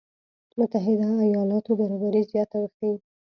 متحده ایالاتو برابري زياته وښيي.